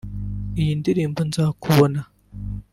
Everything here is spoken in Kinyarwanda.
Iyi ndirimbo Nzakubona